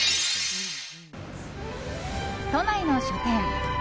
都内の書店。